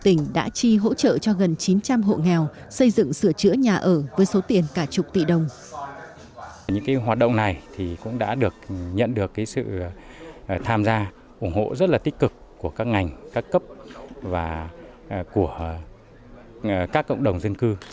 tỉnh đã chi hỗ trợ cho gần chín trăm linh hộ nghèo xây dựng sửa chữa nhà ở với số tiền cả chục tỷ đồng